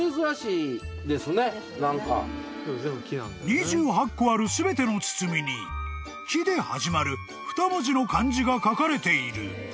［２８個ある全ての包みに「木」で始まる２文字の漢字が書かれている］